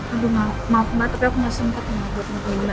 aduh maaf mbak tapi aku gak sempet